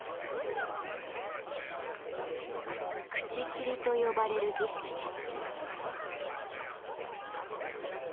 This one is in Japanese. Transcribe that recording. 「口切」と呼ばれる儀式です。